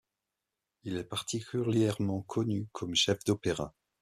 Il est particulièrement connu comme chef d'opéra.